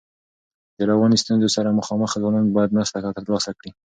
د رواني ستونزو سره مخامخ ځوانان باید مرسته ترلاسه کړي.